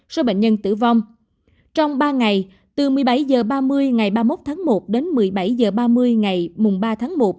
số bệnh nhân tử vong trong ba ngày từ một mươi bảy h ba mươi ngày ba mươi một tháng một đến một mươi bảy h ba mươi ngày ba tháng một